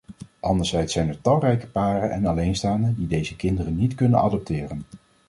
Anderzijds zijn er talrijke paren en alleenstaanden die deze kinderen niet kunnen adopteren.